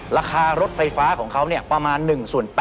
ราคารถไฟฟ้าของเขาประมาณ๑ส่วน๘๐